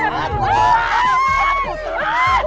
hapus hapus hapus